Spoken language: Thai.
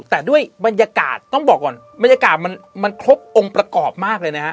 แต่ด้วยบรรยากาศต้องบอกก่อนบรรยากาศมันครบองค์ประกอบมากเลยนะฮะ